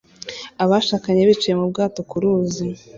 Abashakanye bicaye mu bwato ku ruzi